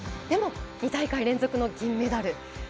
でも２大会連続の銀メダル。